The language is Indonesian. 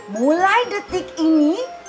mulai detik ini